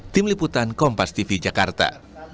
tim liputan kompastv jakarta